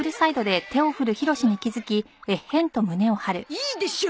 いいでしょ